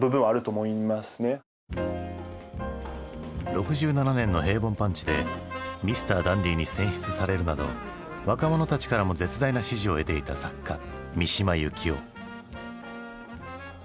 ６７年の「平凡パンチ」でミスターダンディに選出されるなど若者たちからも絶大な支持を得ていた作家三島由紀夫。